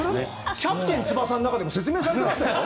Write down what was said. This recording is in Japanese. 「キャプテン翼」の中でも説明されてましたよ。